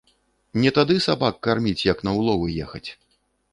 Не тады сабак карміць, як на ўловы ехаць